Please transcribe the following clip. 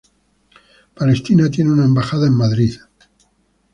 Palestina tiene una embajada en Madrid.